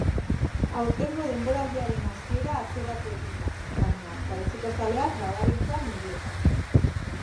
Aurtengo denboraldiaren hasiera atzeratu egin da, baina perretxikozaleak badabiltza mendietan.